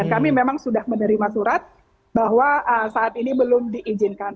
kami akan menerima surat bahwa saat ini belum diizinkan